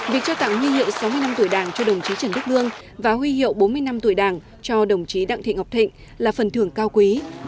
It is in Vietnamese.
việc trao tặng huy hiệu sáu mươi năm tuổi đảng cho đồng chí trần đức lương và huy hiệu bốn mươi năm tuổi đảng cho đồng chí đặng thị ngọc thịnh là phần thưởng cao quý